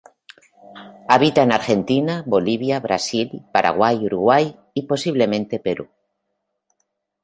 Habita en Argentina, Bolivia, Brasil, Paraguay, Uruguay y posiblemente Perú.